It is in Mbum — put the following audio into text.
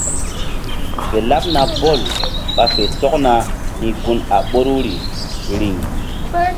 Fe laɓna Pɔl ɓa fe sɔkna hi̧ gun a ɓoruri riŋ.